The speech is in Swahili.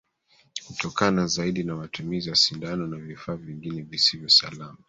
hutokana zaidi na matumizi ya sindano na vifaa vingine visivyo salama